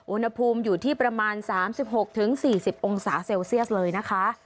อุณหภูมิอยู่ที่ประมาณ๓๖๔๐องศาเซลเซียสเลยนะคะ